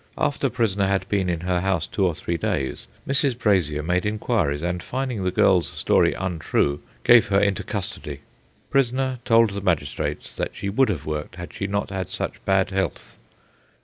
After prisoner had been in her house two or three days, Mrs. Brasier made inquiries, and, finding the girl's story untrue, gave her into custody. Prisoner told the magistrate that she would have worked had she not had such bad health.